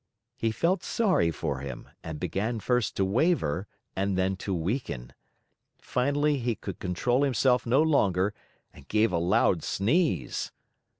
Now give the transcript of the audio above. he felt sorry for him and began first to waver and then to weaken. Finally, he could control himself no longer and gave a loud sneeze.